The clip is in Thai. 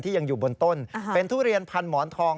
ยังอยู่บนต้นเป็นทุเรียนพันหมอนทอง